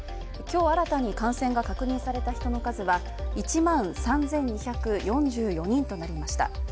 今日新たに感染が確認された人の数は、１万３２４４人となりました。